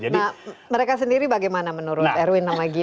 nah mereka sendiri bagaimana menurut arwin sama gita